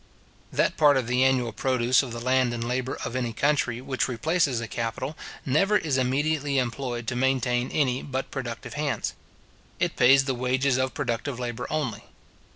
That part of the annual produce of the land and labour of any country which replaces a capital, never is immediately employed to maintain any but productive hands. It pays the wages of productive labour only.